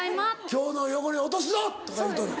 「今日の汚れ落とすぞ！」とか言うとんの？